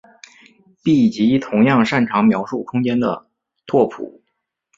闭集同样擅长描述空间的拓扑。